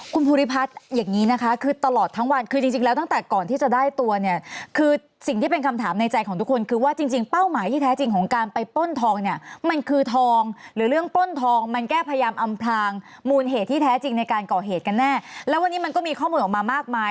คุณภูริพัฒน์อย่างนี้นะคะคือตลอดทั้งวันคือจริงแล้วตั้งแต่ก่อนที่จะได้ตัวเนี่ยคือสิ่งที่เป็นคำถามในใจของทุกคนคือว่าจริงจริงเป้าหมายที่แท้จริงของการไปป้นทองเนี่ยมันคือทองหรือเรื่องปล้นทองมันแก้พยายามอำพลางมูลเหตุที่แท้จริงในการก่อเหตุกันแน่แล้ววันนี้มันก็มีข้อมูลออกมามากมาย